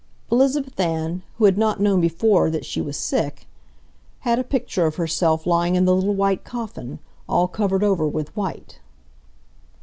Elizabeth Ann, who had not known before that she was sick, had a picture of herself lying in the little white coffin, all covered over with white....